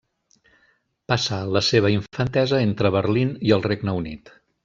Passà la seva infantesa entre Berlín i el Regne Unit.